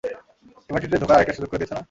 এমআইটিতে ঢোকার আরেকটা সুযোগ করে দিয়েছ না?